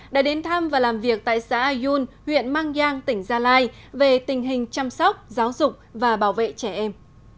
đã đến thăm và làm việc tại xã ayun huyện mang giang tỉnh gia lai về tình hình chăm sóc giáo dục và bảo vệ trẻ em